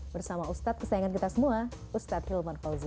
bersama ustadz kesayangan kita semua ustadz hilman fauzi